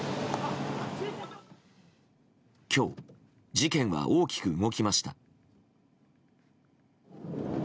今日、事件は大きく動きました。